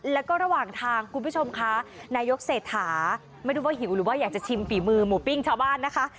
แล้วก็ระหว่างทางคุณผู้ชมคะนายกเศรษฐาไม่รู้ว่าหิวหรือว่าอยากจะชิมฝีมือหมูปิ้งชาวบ้านนะคะ